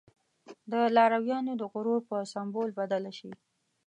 د لارويانو د غرور په سمبول بدله شي.